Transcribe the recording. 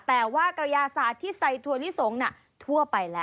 แต่ว่ากระยาศาสตร์ที่ใส่ถั่วลิสงทั่วไปแล้ว